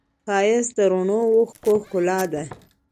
ښایست د رڼو اوښکو ښکلا ده